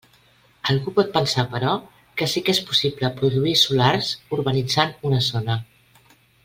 Algú pot pensar però que sí que és possible produir solars urbanitzant una zona.